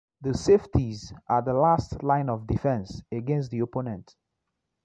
The safeties are the last line of defense against the opponent.